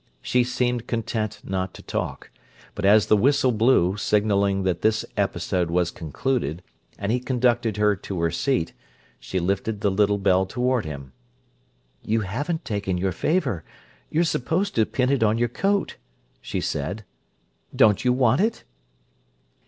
She seemed content not to talk; but as the whistle blew, signalling that this episode was concluded, and he conducted her to her seat, she lifted the little bell toward him. "You haven't taken your favour. You're supposed to pin it on your coat," she said. "Don't you want it?"